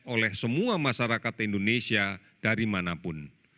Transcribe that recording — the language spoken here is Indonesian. oleh semua masyarakat indonesia dari manapun